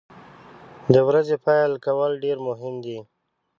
د ورځې پیل کول ډیر مهم دي.